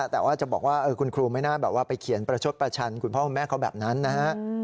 แต่ว่าจะบอกว่าคุณครูไม่น่าแบบว่าไปเขียนประชดประชันคุณพ่อคุณแม่เขาแบบนั้นนะฮะ